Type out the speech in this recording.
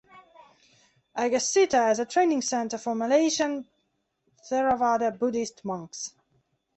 Aggacitta as a training centre for Malaysian Theravada Buddhist monks.